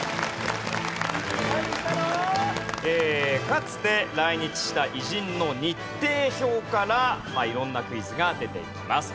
かつて来日した偉人の日程表から色んなクイズが出てきます。